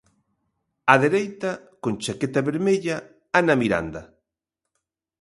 Á dereita, con chaqueta vermella, Ana Miranda.